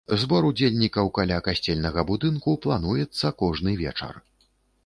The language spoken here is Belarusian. Збор удзельнікаў каля касцельнага будынку плануецца кожны вечар.